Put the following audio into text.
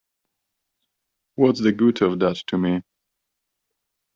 What's the good of that to me?